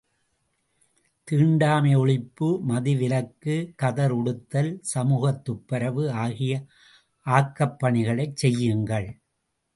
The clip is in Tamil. தீண்டாமை ஒழிப்பு, மது விலக்கு, கதர் உடுத்தல், சமூகத் துப்புரவு ஆகிய ஆக்கப் பணிகளைச் செய்யுங்கள்.